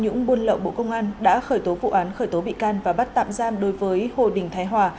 nhũng buôn lậu bộ công an đã khởi tố vụ án khởi tố bị can và bắt tạm giam đối với hồ đình thái hòa